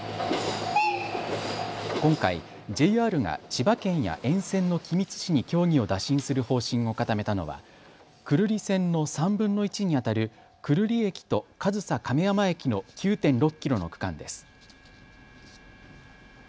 今回、ＪＲが千葉県や沿線の君津市に協議を打診する方針を固めたのは久留里線の３分の１にあたる久留里駅と上総亀山駅の９．６キロの区間です。